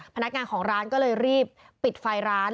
พนักงานของร้านก็เลยรีบปิดไฟร้าน